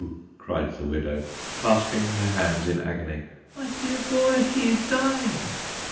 cried the widow, clasping her hands in agony " my dear boy ! he is dying